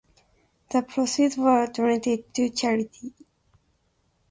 The proceeds were donated to charity.